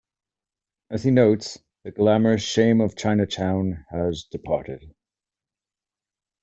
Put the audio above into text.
As he notes, "the glamorous shame of Chinatown has departed".